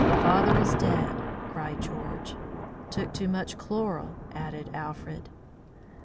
"Father is dead!" cried George. "Took too much chloral," added Alfred.